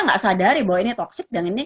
nggak sadari bahwa ini toxic dan ini